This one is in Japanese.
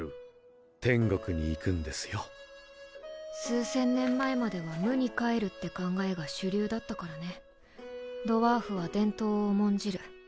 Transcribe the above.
数千年前までは無に還るって考えが主流だドワーフは伝統を重んじる